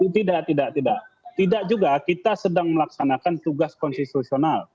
tidak tidak tidak juga kita sedang melaksanakan tugas konstitusional